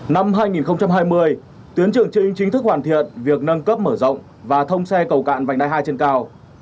năm hai nghìn hai mươi tuyến trường chính chính thức hoàn thiện việc nâng cấp mở rộng và thông xe cầu cạn vành đai hai trên cao